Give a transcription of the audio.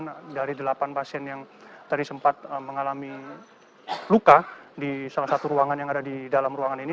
korban dari delapan pasien yang tadi sempat mengalami luka di salah satu ruangan yang ada di dalam ruangan ini